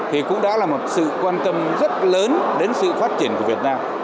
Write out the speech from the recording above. thì cũng đã là một sự quan tâm rất lớn đến sự phát triển của việt nam